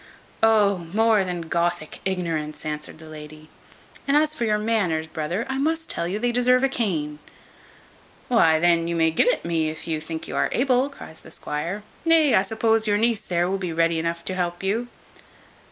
"O! more than Gothic ignorance," answered the lady. "And as for your manners, brother, I must tell you, they deserve a cane." "Why then you may gi' it me, if you think you are able," cries the squire; "nay, I suppose your niece there will be ready enough to help you."